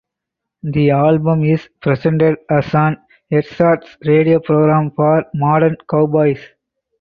The album is presented as an ersatz radio program for modern cowboys.